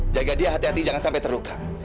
jaga dia hati hati jangan sampai terluka